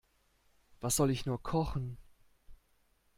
Was soll ich nur kochen?